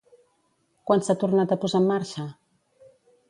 Quan s'ha tornat a posar en marxa?